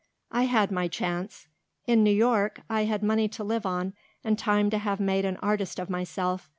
"I had my chance. In New York I had money to live on and time to have made an artist of myself.